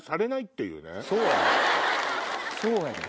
そうやねん。